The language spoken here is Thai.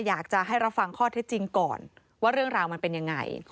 อยากจะให้รับฟังข้อเท็จจริงก่อนว่าเรื่องราวมันเป็นยังไง